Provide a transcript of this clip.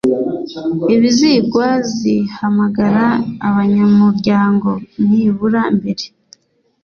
ibizigwa zihamagara abanyamuryango nibura mbere